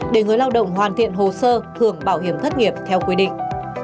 để người lao động hoàn thiện hồ sơ hưởng bảo hiểm thất nghiệp theo quy định